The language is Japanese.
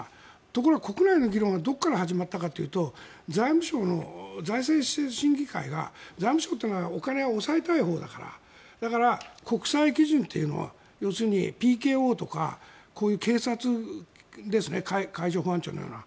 ところが、国内の議論がどこから始まったかというと財務省の財政審議会が財務省というのはお金を抑えたいほうだからだから、国際基準というのは要するにＰＫＯとかこういう警察ですね海上保安庁のような。